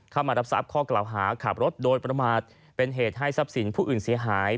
มารับทราบข้อกล่าวหาขับรถโดยประมาทเป็นเหตุให้ทรัพย์สินผู้อื่นเสียหาย